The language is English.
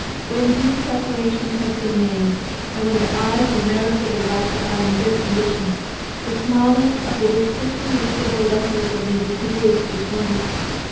When due preparation has been made, and when the eyes and nerves of the writer are in good condition, the smallness of the distinctly read able letters that may be produced is wonderful.